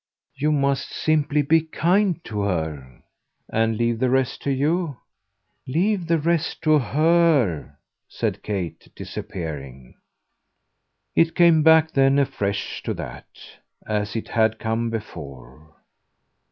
"You must simply be kind to her." "And leave the rest to you?" "Leave the rest to HER," said Kate disappearing. It came back then afresh to that, as it had come before.